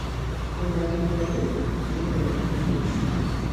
Embalirira yiino gitunulemu.